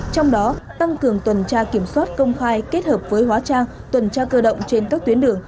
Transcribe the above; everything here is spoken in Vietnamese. trong đó tăng cường tuần tra kiểm soát công khai kết hợp với hóa trang tuần tra cơ động trên các tuyến đường